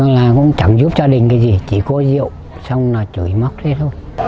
hàng ngày cũng chẳng giúp cho đình cái gì chỉ có rượu xong là chửi mắc thế thôi